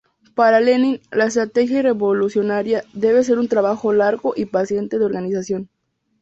Para Lenin, la estrategia revolucionaria debe ser un trabajo largo y paciente de organización.